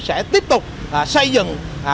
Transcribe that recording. sẽ tiếp tục xây dựng